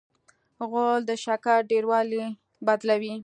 غول د شکر ډېروالی بدلوي.